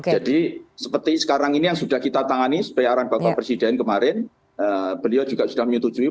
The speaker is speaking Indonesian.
jadi seperti sekarang ini yang sudah kita tangani sebayaran bapak presiden kemarin beliau juga sudah menyetujui